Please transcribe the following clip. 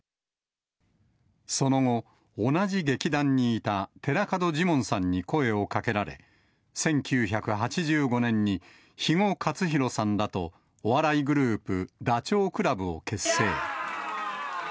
その後、同じ劇団にいた寺門ジモンさんに声をかけられ、１９８５年に、肥後克広さんらと、お笑いグループ、ダチョウ倶楽部を結成。